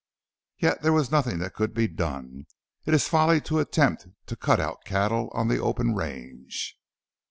Yet there was nothing that could be done; it is folly to attempt to "cut out" cattle on the open range.